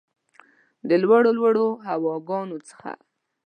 د لوړو ، لوړو هواګانو څخه